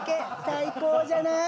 最高じゃない？